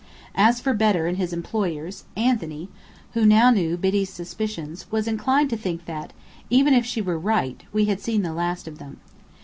As for Bedr and his employers, Anthony (who now knew Biddy's suspicions) was inclined to think that, even if she were right, we had seen the last of them.